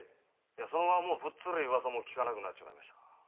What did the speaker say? いやそのままぷっつり噂も聞かなくなっちまいました。